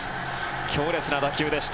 強烈な打球でした。